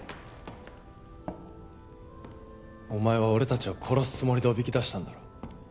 おまえは俺たちを殺すつもりで誘き出したんだろ。